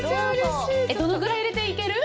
どのぐらい入れていける？